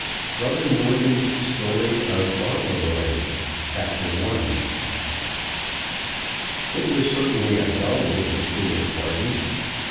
BROTHER MORGAN'S STORY of FAUNTLEROY. CHAPTER I. IT was certainly a dull little dinner party.